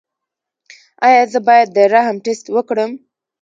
ایا زه باید د رحم ټسټ وکړم؟